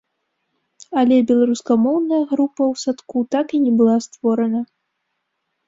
Але беларускамоўная група ў садку так і не была створана.